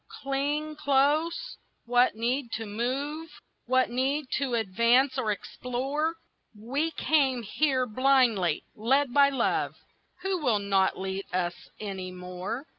cling close, what need to move, What need to advance or explore? We came here blindly, led by love, Who will not lead us any more.